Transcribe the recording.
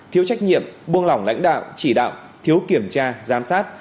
thiếu trách nhiệm buông lỏng lãnh đạo chỉ đạo thiếu kiểm tra giám sát